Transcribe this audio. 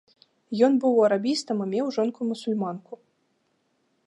Ён быў арабістам і меў жонку-мусульманку.